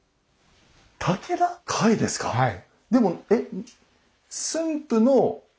はい。